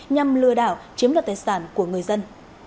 nhằm lừa đảo chiếm đoạt tài sản của người dân